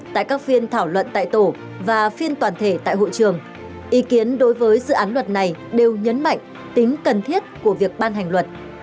tại các phiên thảo luận tại tổ và phiên toàn thể tại hội trường ý kiến đối với dự án luật này đều nhấn mạnh tính cần thiết của việc ban hành luật